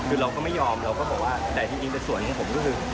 คือเราก็ไม่ยอมเราก็บอกว่าแต่ที่จริงส่วนของผมก็คือ